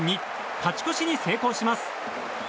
勝ち越しに成功します。